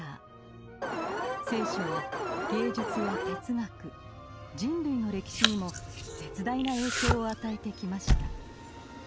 聖書は芸術や哲学人類の歴史にも絶大な影響を与えてきました。